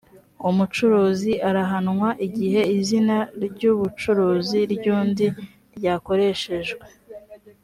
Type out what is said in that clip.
umucuruzi arahanwa igihe izina ry ubucuruzi ryundi ryakoreshejwe